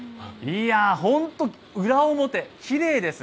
本当、裏表、きれいです。